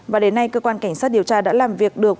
và đến nay cơ quan cảnh sát điều tra đã làm việc được